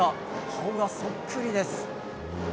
顔がそっくりです。